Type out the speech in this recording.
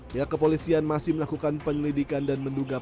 pihak kepolisian masih melakukan penyelidikan dan menduga pelaku